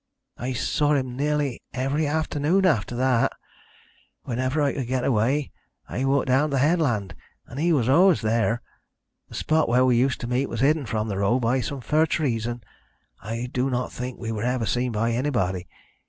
"I saw him nearly every afternoon after that whenever I could get away I walked down to the headland, and he was always there. The spot where we used to meet was hidden from the road by some fir trees, and I do not think we were ever seen by anybody.